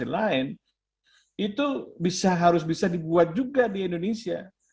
vaksin lain itu harus bisa dibuat juga di indonesia